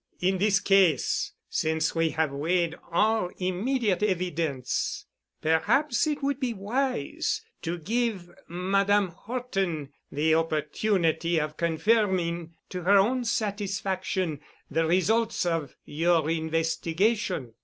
In this case, since we have weighed all immediate evidence, perhaps it would be wise to give Madame Horton the opportunity of confirming to her own satisfaction the results of your investigation."